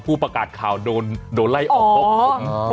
ผู้ประกาศข่าวโดนไล่ออก